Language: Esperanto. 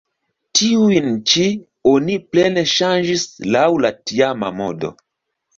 Tiujn ĉi oni plene ŝanĝis laŭ la tiama modo.